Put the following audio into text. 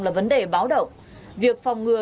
là vấn đề báo động việc phòng ngừa